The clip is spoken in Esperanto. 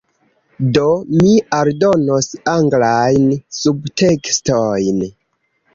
Do, mi aldonos anglajn subtekstojn